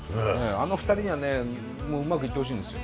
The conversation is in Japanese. あの２人にはねもううまくいってほしいんですよ。